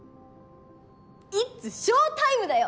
イッツショータイムだよ！